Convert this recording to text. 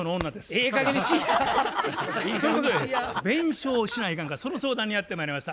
ええかげんにしいや！ということで弁償しないかんかその相談にやってまいりました。